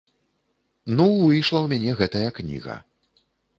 Ну выйшла ў мяне гэтая кніга.